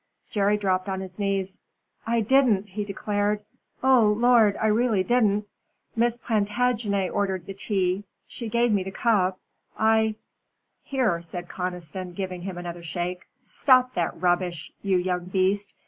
Jerry dropped on his knees. "I didn't," he declared, "oh lor, I really didn't. Miss Plantagenet ordered the tea. She gave me the cup I " "Here," said Conniston, giving him another shake, "stop that rubbish, you young beast.